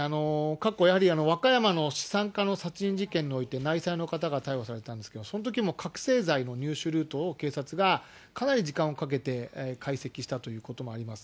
過去やはり、和歌山の資産家の殺人事件において、内妻の方が逮捕されたんですが、そのときも覚醒剤の入手ルートを警察がかなり時間をかけて解析したということもあります。